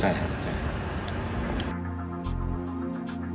ใช่ครับ